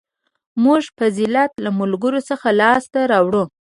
• موږ فضیلت له ملکوت څخه لاسته راوړو.